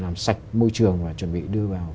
làm sạch môi trường và chuẩn bị đưa vào